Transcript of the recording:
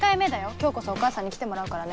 今日こそお母さんに来てもらうからね。